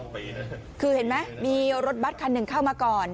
นี่แหละค่ะเห็นไหมค่ะคือเห็นไหมมีรถบัตรคันหนึ่งเข้ามาก่อน